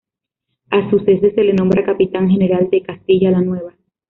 A su cese se le nombra Capitán General de Castilla la Nueva.